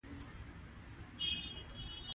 پسرلی د افغانستان د اقتصادي ودې لپاره ارزښت لري.